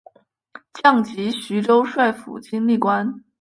降级徐州帅府经历官。